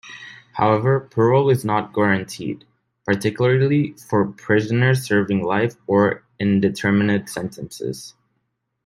However, parole is not guaranteed, particularly for prisoners serving life or indeterminate sentences.